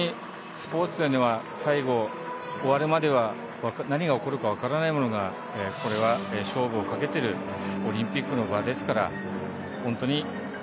スポーツには終わるまでは何が起こるか分からないものがこれは勝負をかけているオリンピックの場ですから。